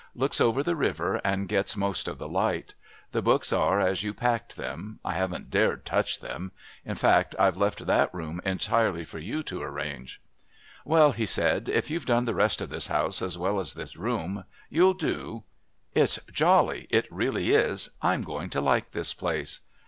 Looks over the river and gets most of the light. The books are as you packed them. I haven't dared touch them. In fact, I've left that room entirely for you to arrange." "Well," he said, "if you've done the rest of this house as well as this room, you'll do. It's jolly it really is. I'm going to like this place."